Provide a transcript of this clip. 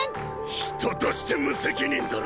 人として無責任だろ。